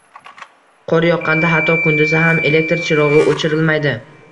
Qor yoqqanda hatto kunduzi ham elektr chirog`i o`chirilmaydi